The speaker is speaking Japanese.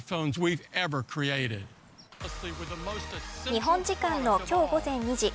日本時間の今日午前２時